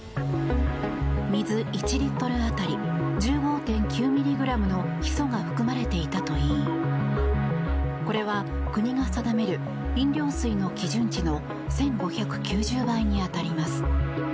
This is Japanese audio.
水１リットル当たり１５．９ｍｇのヒ素が含まれていたといいこれは国が定める飲料水の基準値の１５９０倍に当たります。